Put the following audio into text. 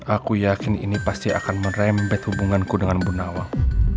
aku yakin ini pasti akan merembet hubunganku dengan bunawang